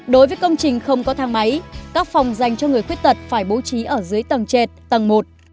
hai sáu năm ba đối với công trình không có thang máy các phòng dành cho người khuyết tật phải bố trí ở dưới tầng chệt tầng một